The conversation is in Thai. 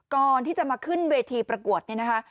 ก่อนที่จะมาขึ้นเวทีประกวดเนี่ยนะคะ